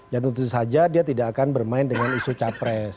ya tentu saja dia tidak akan bermain dengan isu capres